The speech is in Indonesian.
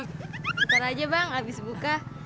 sekarang aja bang habis buka